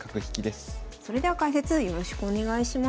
それでは解説よろしくお願いします。